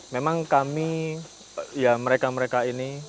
memang kami ya mereka mereka ini